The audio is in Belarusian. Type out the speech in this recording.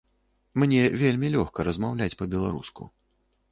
Мне вельмі лёгка размаўляць па-беларуску.